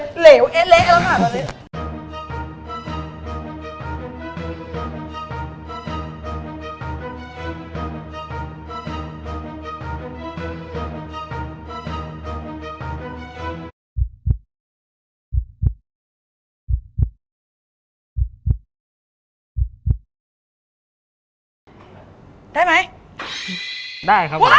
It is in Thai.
เหลวเอะเละครั้วฮะไปและให้